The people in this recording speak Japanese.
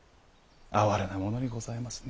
哀れなものにございますね。